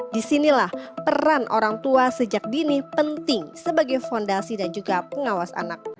disinilah peran orang tua sejak dini penting sebagai fondasi dan juga pengawas anak